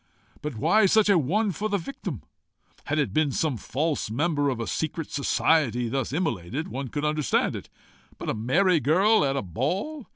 But why such a one for the victim? Had it been some false member of a secret society thus immolated, one could understand it. But a merry girl at a ball!